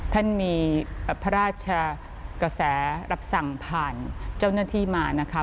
ท่านมีพระราชกระแสรับสั่งผ่านเจ้าหน้าที่มานะคะ